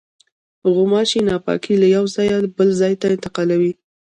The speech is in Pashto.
غوماشې ناپاکي له یوه ځایه بل ته انتقالوي.